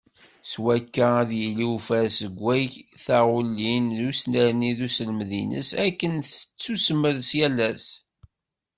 S wakka ad d-yili ufares deg yakk taɣulin, d usnerni n uselmed-ines akken ad tettusemres yal ass.